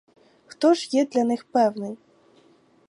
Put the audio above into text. Хто ж є для них певний?